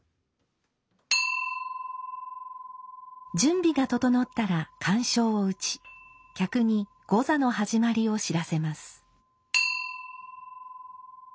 準備が整ったら喚鐘を打ち客に後座の始まりを知らせます。